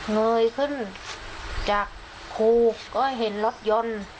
เงยขึ้นจากครูก็เห็นรถยนต์